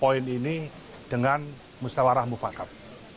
poin ini dengan musyawarah mufakat